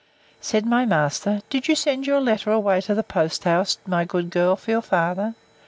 Said my master, Did you send your letter away to the post house, my good girl, for your father?